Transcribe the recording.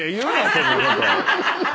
そんなこと。